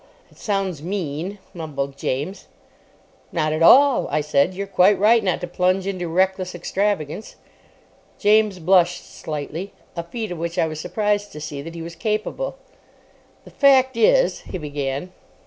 "It sounds mean," mumbled James. "Not at all," I said. "You're quite right not to plunge into reckless extravagance." James blushed slightly—a feat of which I was surprised to see that he was capable. "The fact is——" he began.